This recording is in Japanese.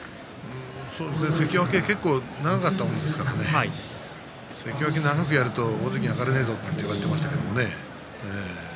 関脇が結構長かったものですから関脇を長くやると大関に上がれないぞと言われていましたけれども。